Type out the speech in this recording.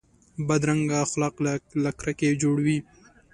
بدرنګه اخلاق له کرکې جوړ وي